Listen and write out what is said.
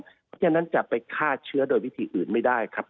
เพราะฉะนั้นจะไปฆ่าเชื้อโดยวิธีอื่นไม่ได้ครับ